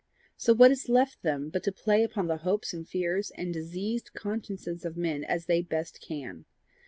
So what is left them but to play upon the hopes and fears and diseased consciences of men as they best can!